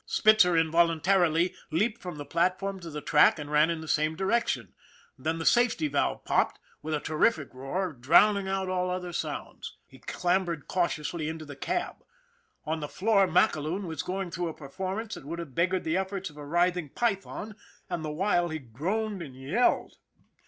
Spitzer involuntarily leaped from the platform to the track and ran in the same direction, then the safety valve popped with a terrific roar, drowning out all other sounds. He clambered cau 84 ON THE IRON AT BIG CLOUD tiously into the cab. On the floor MacAloon was going through a performance that would have beg gared the efforts of a writhing python, and the while he groaned and yelled.